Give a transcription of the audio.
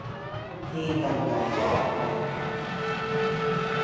ที่ทำลายปอดได้